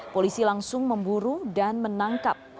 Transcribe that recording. polisi langsung memburu dan menangkap